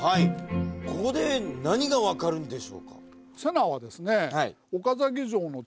ここで何が分かるんでしょうか？